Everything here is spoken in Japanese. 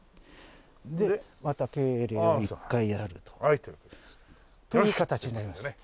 でまた敬礼を１回やると。という形になります。